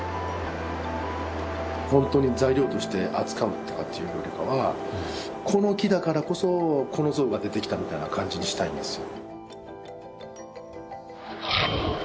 ほんとに材料として扱うとかっていうよりかはこの木だからこそこの像が出てきたみたいな感じにしたいんですよ。